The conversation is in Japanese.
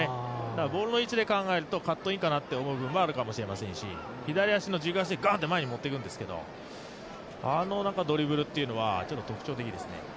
だから、ボールの位置で考えるとカットインと考えるのはあるかもしれませんし左足の軸足でぐんと前に持っていくんですけどあのドリブルというのはちょっと特徴的ですね。